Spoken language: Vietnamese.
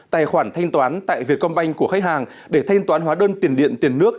tài khoản thanh toán tại vietcombank của khách hàng để thanh toán hóa đơn tiền điện tiền nước